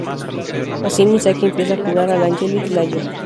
Así Misaki empieza a jugar al Angelic Layer.